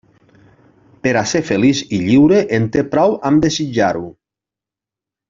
Per a ser feliç i lliure, en té prou amb desitjar-ho.